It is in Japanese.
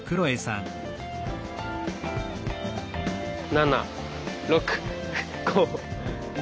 ７６５４。